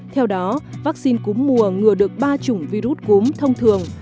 theo đó vắc xin cúm mùa ngừa được ba chủng virus cúm thông thường